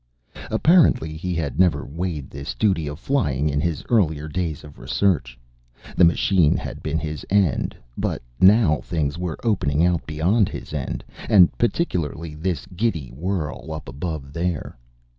Apparently he had never weighed this duty of flying in his earlier days of research; the machine had been his end, but now things were opening out beyond his end, and particularly this giddy whirl up above there.